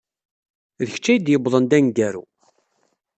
D kecc ay d-yuwḍen d ameggaru.